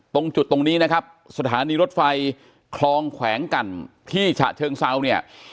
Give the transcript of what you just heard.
ตรงจุดตรงนี้นะครับสถานีรถไฟคลองแขวงกันที่ฉะเชิงเซาเนี่ย